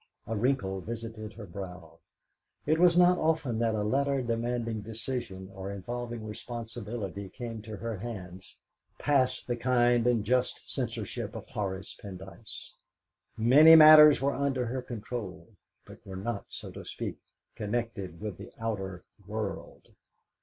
A wrinkle visited her brow. It was not often that a letter demanding decision or involving responsibility came to her hands past the kind and just censorship of Horace Pendyce. Many matters were under her control, but were not, so to speak, connected with the outer world.